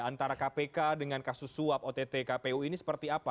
antara kpk dengan kasus suap ott kpu ini seperti apa